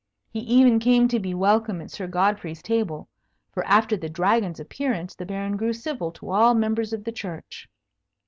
He even came to be welcome at Sir Godfrey's table; for after the Dragon's appearance, the Baron grew civil to all members of the Church.